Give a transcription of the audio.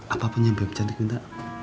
apapun ya bebe cantik minta